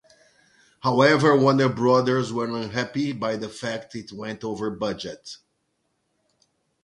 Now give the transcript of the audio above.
However Warner Brothers were unhappy by the fact it went over budget.